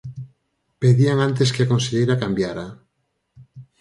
Pedían antes que a conselleira cambiara.